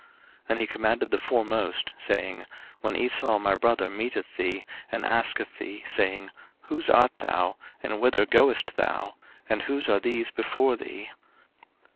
01:032:017 And he commanded the foremost, saying, When Esau my brother meeteth thee, and asketh thee, saying, Whose art thou? and whither goest thou? and whose are these before thee?